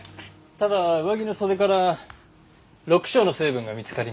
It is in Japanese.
ただ上着の袖から緑青の成分が見つかりました。